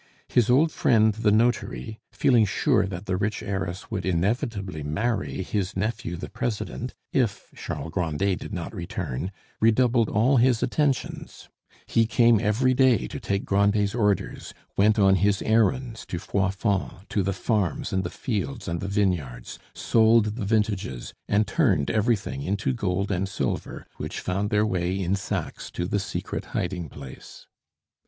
His old friend the notary, feeling sure that the rich heiress would inevitably marry his nephew the president, if Charles Grandet did not return, redoubled all his attentions; he came every day to take Grandet's orders, went on his errands to Froidfond, to the farms and the fields and the vineyards, sold the vintages, and turned everything into gold and silver, which found their way in sacks to the secret hiding place.